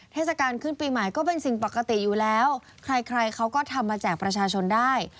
เทศกาลขึ้นปีใหม่ก็เป็นสิ่งปกติอยู่แล้วใครใครเขาก็ทำมาแจกประชาชนได้